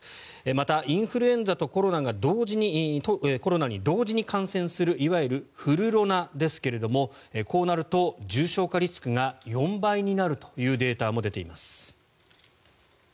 また、インフルエンザとコロナに同時に感染するいわゆるフルロナですがこうなると重症化リスクが４倍になるというデータも出ています。